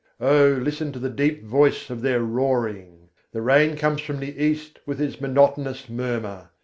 O, listen to the deep voice of their roaring; The rain comes from the east with its monotonous murmur.